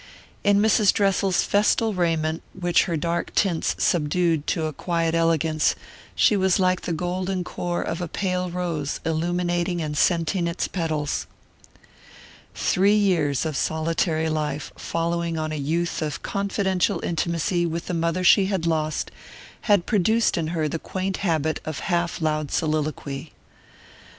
In Mrs. Dressel's festal raiment, which her dark tints subdued to a quiet elegance, she was like the golden core of a pale rose illuminating and scenting its petals. Three years of solitary life, following on a youth of confidential intimacy with the mother she had lost, had produced in her the quaint habit of half loud soliloquy.